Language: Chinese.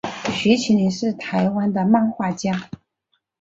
徐麒麟是台湾的漫画家。